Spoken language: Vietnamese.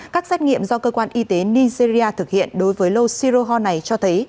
các xét nghiệm do cơ quan y tế nigeria thực hiện đối với lô siroho này cho thấy